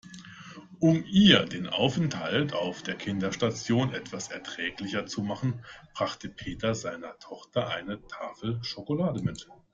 Um ihr den Aufenthalt auf der Kinderstation etwas erträglicher zu machen, brachte Peter seiner Tochter eine Tafel Schokolade mit.